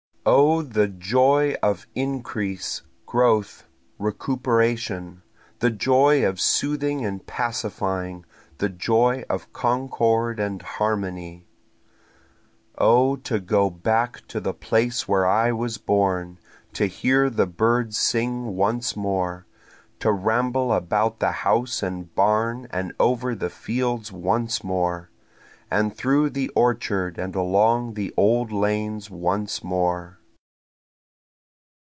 O the of increase, growth, recuperation, The joy of soothing and pacifying, the joy of concord and harmony. O to go back to the place where I was born, To hear the birds sing once more, To ramble about the house and barn and over the fields once more, And through the orchard and along the old lanes once more.